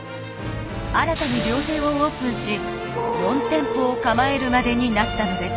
新たに料亭をオープンし４店舗を構えるまでになったのです。